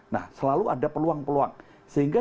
nah selalu ada peluang peluang sehingga